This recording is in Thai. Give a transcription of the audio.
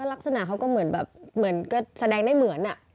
ลักษณะเขาก็เหมือนแบบเหมือนก็แสดงได้เหมือน